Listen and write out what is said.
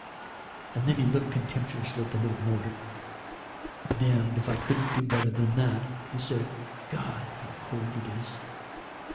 And then he looked contemptuously at the little motor. "Damned if I couldn't do her better than that," he said. "God, how cold it is."